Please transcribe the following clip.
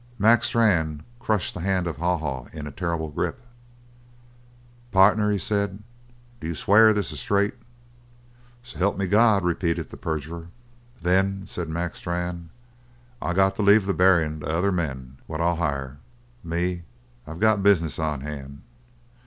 '" Mac Strann crushed the hand of Haw Haw in a terrible grip. "Partner," he said, "d'you swear this is straight?" "So help me God!" repeated the perjurer. "Then," said Mac Strann, "I got to leave the buryin' to other men what I'll hire. Me I've got business on hand.